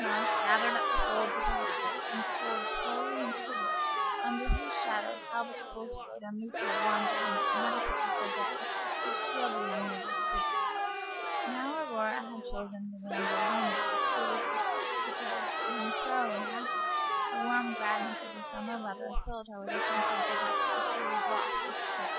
Mellish gathered up the folds of her habit and strolled slowly into the wood under whose shadow Talbot Bulstrode and Lucy had wandered on that eventful April day which sealed the young lady's fate. Now, Aurora had chosen to ramble homeward through this wood because, being thoroughly happy, the warm gladness of the summer weather filled her with a sense of delight which she was loath to curtail.